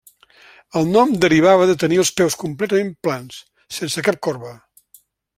El nom derivava de tenir els peus completament plans, sense cap corba.